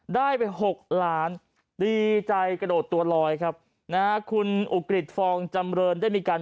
ได้ไปหกล้านดีใจกระโดดตัวลอยครับนะฮะคุณอุกฤษฟองจำเรินได้มีการ